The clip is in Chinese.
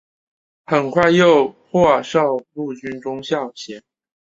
很快又获授陆军中校衔。